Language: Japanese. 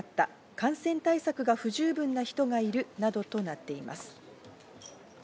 感染対策が不十分な人がいるなどとなっています。